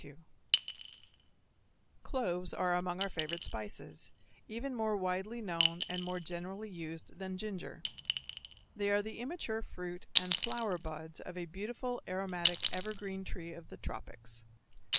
_ Cloves are among our favorite spices, even more widely known and more generally used than ginger. They are the immature fruit and flower buds of a beautiful aromatic evergreen tree of the tropics.